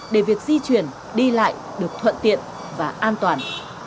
để việc di chuyển đi lại được thuận tiện và an toàn